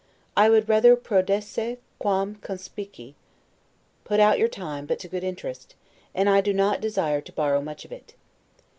I would rather 'prodesse quam conspici'. Put out your time, but to good interest; and I do not desire to borrow much of it.